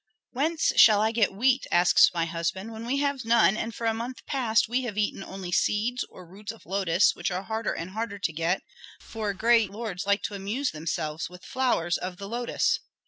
'Whence shall I get wheat,' asks my husband, 'when we have none and for a month past we have eaten only seeds, or roots of lotus, which are harder and harder to get, for great lords like to amuse themselves with flowers of the lotus?'"